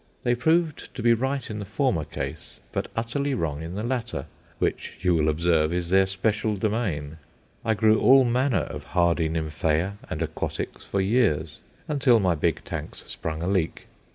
They proved to be right in the former case, but utterly wrong in the latter which, you will observe, is their special domain. I grew all manner of hardy nymphæa and aquatics for years, until my big tanks sprung a leak.